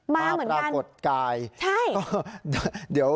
มาเหมือนกันใช่พระปรากฏกาย